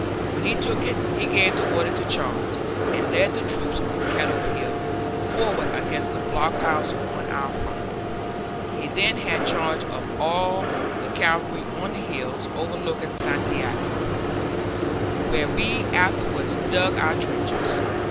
When he took it, he gave the order to charge, and led the troops on Kettle Hill forward against the blockhouse on our front. He then had charge of all the cavalry on the hills overlooking Santiago, where we afterwards dug our trenches.